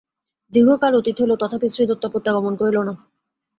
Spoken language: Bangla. দীর্ঘ কাল অতীত হইল তথাপি শ্রীদত্ত প্রত্যাগমন করিল না।